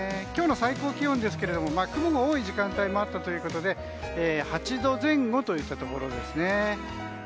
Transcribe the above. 今日の最高気温ですが雲の多い時間帯もあったということで８度前後といったところですね。